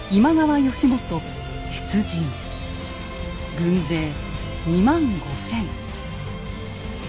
軍勢２万５，０００。